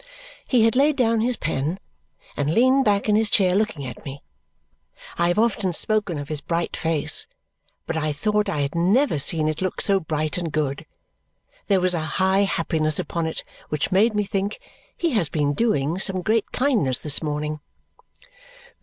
He had laid down his pen and leaned back in his chair looking at me. I have often spoken of his bright face, but I thought I had never seen it look so bright and good. There was a high happiness upon it which made me think, "He has been doing some great kindness this morning."